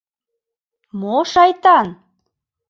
Мо шайтан?